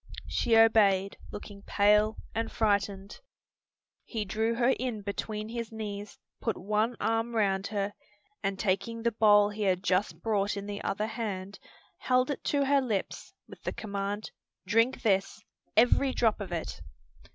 She obeyed, looking pale and frightened. He drew her in between his knees, put one arm round her, and taking the bowl he had just brought in the other hand, held it to her lips, with the command, "Drink this! every drop of it!"